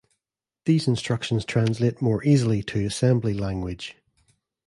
These instructions translate more easily to assembly language.